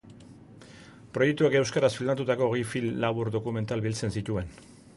Proiektuak euskaraz filmatutako hogei film labur dokumental biltzen zituen.